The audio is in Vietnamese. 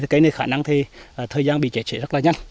thì cây này khả năng thời gian bị trẻ trẻ rất là nhanh